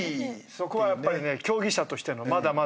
そこはやっぱりね競技者としてのまだまだ。